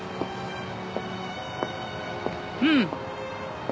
うん。